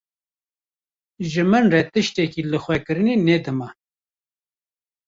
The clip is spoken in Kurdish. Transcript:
Ji min re tiştekî lixwekirinê ne dima.